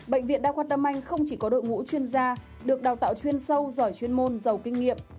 bệnh viện đa khoa tâm anh không chỉ có đội ngũ chuyên gia được đào tạo chuyên sâu giỏi chuyên môn giàu kinh nghiệm